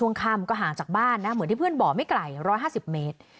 ค่ำก็ห่างจากบ้านนะเหมือนที่เพื่อนบอกไม่ไกล๑๕๐เมตร